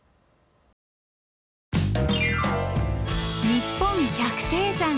「にっぽん百低山」。